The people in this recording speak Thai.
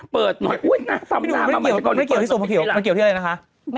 เปิดหน่อยน้ำซำหนาไม่เกี่ยวที่สูงมันเกี่ยวที่อะไรนะคะ